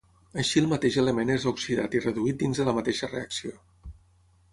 Així el mateix element és oxidat i reduït dins de la mateixa reacció.